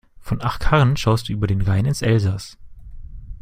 Von Achkarren schaust du über den Rhein ins Elsass.